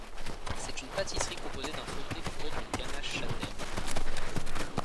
C'est une pâtisserie composée d'un feuilleté fourré d'une ganache châtaigne.